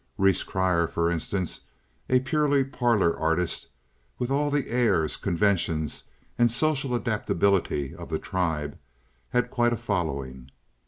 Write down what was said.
Rhees Crier, for instance, a purely parlor artist, with all the airs, conventions, and social adaptability of the tribe, had quite a following.